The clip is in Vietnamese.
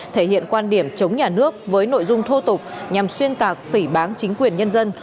thể hiện quan điểm chống nhà nước với nội dung thô tục nhằm xuyên tạc phỉ bán chính quyền nhân dân